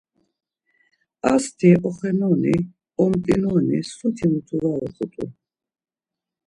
Asti oxenoni, omt̆inoni soti mutu var uğut̆u.